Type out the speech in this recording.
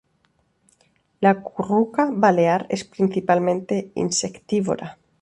La curruca balear es principalmente insectívora.